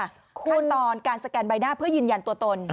ขั้นตอนการสแกนใบหน้าเพื่อยืนยันตัวตน